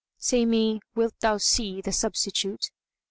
Say me, wilt thou see the substitute?"